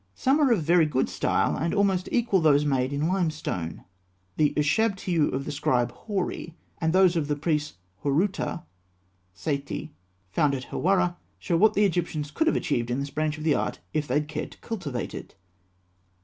Some are of very good style, and almost equal those made in limestone. The ûshabtiû of the scribe Hori, and those of the priest Horûta (Saïte) found at Hawara, show what the Egyptians could have achieved in this branch of the art if they had cared to cultivate it.